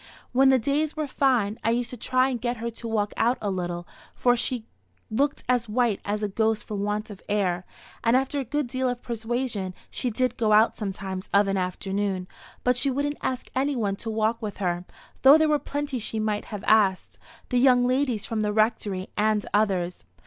When the days were fine, I used to try and get her to walk out a little, for she looked as white as a ghost for want of air; and after a good deal of persuasion, she did go out sometimes of an afternoon, but she wouldn't ask any one to walk with her, though there were plenty she might have asked the young ladies from the Rectory and others.